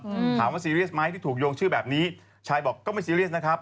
อืมถามว่าซีเรียสไหมที่ถูกโยงชื่อแบบนี้ชายบอกก็ไม่ซีเรียสนะครับ